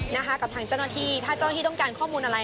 นะคะกับทางเจ้าหน้าที่ถ้าเจ้าหน้าที่ต้องการข้อมูลอะไร